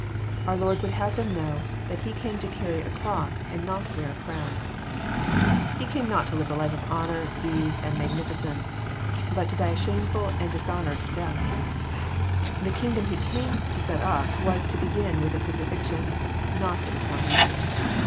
Our Lord would have them know that He came to carry a cross, and not to wear a crown. He came not to live a life of honour, ease, and magnifi cence, but to die a shameful and dishonoured death. The kingdom He came to set up was to begin with a cruci* fixion, and not with a coronation.